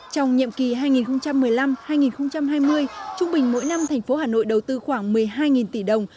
trong nhiệm kỳ hai nghìn một mươi năm hai nghìn hai mươi trung bình mỗi năm thành phố hà nội đầu tư khoảng một mươi hai tỷ đồng